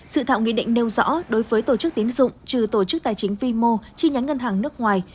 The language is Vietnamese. dự thảo nghị định nêu rõ đối với tổ chức tín dụng trừ tổ chức tài chính vimo chi nhánh ngân hàng nước ngoài